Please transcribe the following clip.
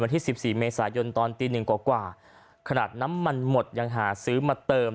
ที่สิบสี่เมษายนตอนตีหนึ่งกว่าขนาดน้ำมันหมดยังหาซื้อมาเติม